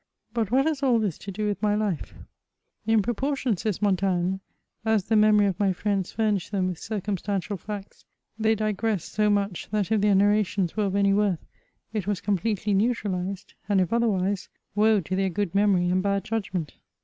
But what has all this to do with my life !In proportion," says Montaigne, " as the memory of my friends furnished them with circumstantial facts, they digressed so much, that if their narrations were of any worth, it was com pletely neutralized, and if otherwise, woe to their good memory and bad judgment